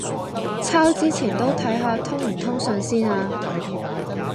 抄之前都睇吓通唔通順先呀